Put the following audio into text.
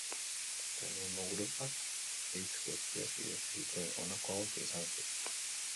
Fermin Muguruzak hitz guztiak idatzi zituen, honako hauek izan ezik.